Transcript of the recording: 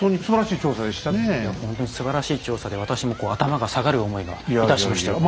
いやほんとにすばらしい調査で私もこう頭が下がる思いがいたしましたよ。